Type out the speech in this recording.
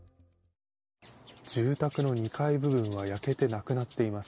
住宅の２階部分は焼けて、なくなっています。